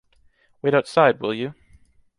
Wait outside, will you.